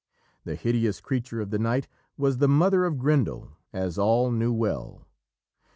The hideous creature of the night was the mother of Grendel, as all knew well.